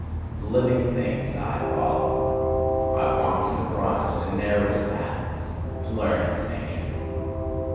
The living thing did I follow; I walked in the broadest and narrowest paths to learn its nature.